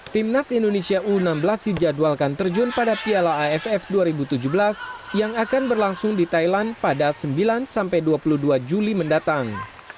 timnas indonesia u enam belas dijadwalkan terjun pada piala aff dua ribu tujuh belas yang akan berlangsung di thailand pada sembilan dua puluh dua juli mendatang